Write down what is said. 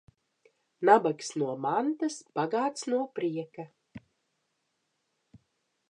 Nabags no mantas, bagāts no prieka.